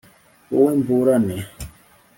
Wowe mburane